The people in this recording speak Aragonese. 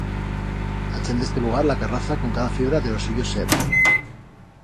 A chent d'este lugar la acarraza con cada fibra de ro suyo ser.